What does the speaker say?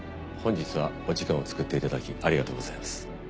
本日はお時間を作っていただきありがとうございます。